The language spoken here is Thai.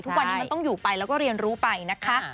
ทุกวันนี้มันต้องอยู่ไปแล้วก็เรียนรู้ไปนะคะ